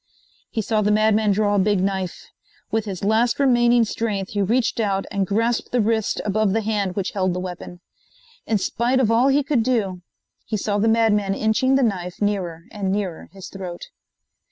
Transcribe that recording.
He saw the madman draw a big knife. With his last remaining strength he reached out and grasped the wrist above the hand which held the weapon. In spite of all he could do he saw the madman inching the knife nearer and nearer his throat.